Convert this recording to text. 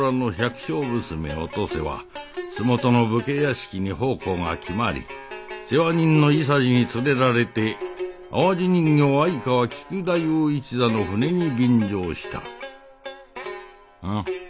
お登勢は洲本の武家屋敷に奉公が決まり世話人の伊三治に連れられて淡路人形相川菊太夫一座の船に便乗したん？